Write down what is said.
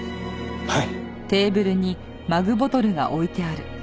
はい。